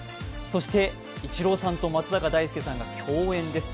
そしてイチローさんと松坂大輔さんが競演です。